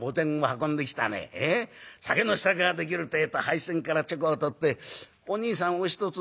酒の支度ができるってえと杯洗からちょこを取って『おにいさんおひとつ』